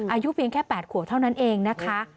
อายุเพียงแค่๘ขวบเท่านั้นเองนะคะ